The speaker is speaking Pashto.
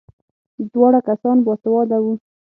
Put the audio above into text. دواړه کسان باسواده وو.